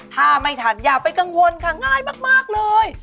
ถ้าไม่ทันอย่าไปกังวลค่ะง่ายมากเลย